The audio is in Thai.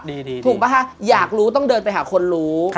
ถูกป่ะคะอยากรู้ต้องเดินไปหาคนรู้